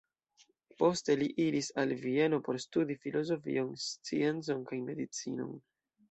Poste li iris al Vieno por studi filozofion, sciencon kaj medicinon.